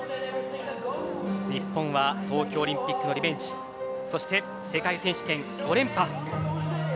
日本は東京オリンピックのリベンジそして世界選手権５連覇。